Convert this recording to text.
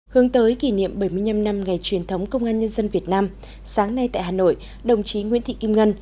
hướng tới kỷ niệm bảy mươi năm năm ngày truyền thống công an nhân dân việt nam sáng nay tại hà nội đồng chí nguyễn thị kim ngân